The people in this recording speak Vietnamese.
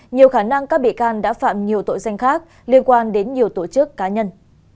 nhiều khả năng các bị can đã phạm nhiều tội danh khác liên quan đến nhiều tổ chức cá nhân